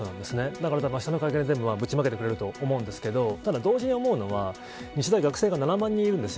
だから、明日の会見で全部ぶちまけてくれると思うんですけどただ当時に思うのが日大、学生が７万人いるんです。